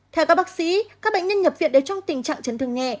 theo các bác sĩ các bệnh nhân nhập viện đến trong tình trạng chấn thương nghệ